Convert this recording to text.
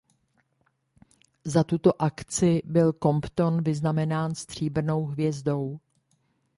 Za tuto akci byl Compton vyznamenán Stříbrnou hvězdou.